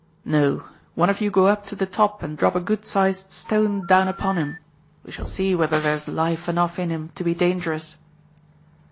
"No; one of you go up to the top and drop a good sized stone down upon him. We shall see whether there's life enough in him to be dangerous."